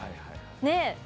ねえ？